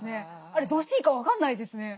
あれどうしていいか分かんないですね。